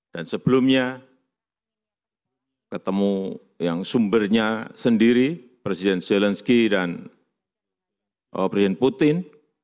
dan sebelumnya ketemu yang sumbernya sendiri presiden zelensky dan presiden putin